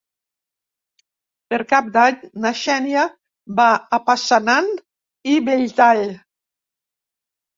Per Cap d'Any na Xènia va a Passanant i Belltall.